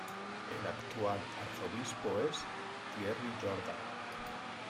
El actual arzobispo es Thierry Jordan.